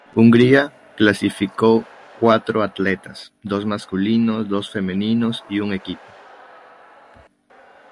Hungría clasificó cuatro atletas, dos masculinos, dos femeninos y un equipo.